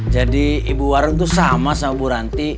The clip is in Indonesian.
jadi ibu warung itu sama sama bu ranti